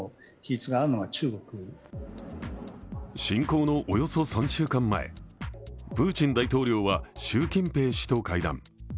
侵攻のおよそ３週間前、プーチン大統領は習近平氏と会談。